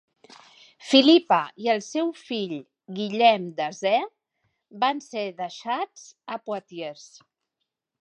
Philippa i el seu fill Guillem Desè van ser deixats a Poitiers.